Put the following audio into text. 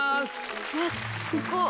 うわすごっ！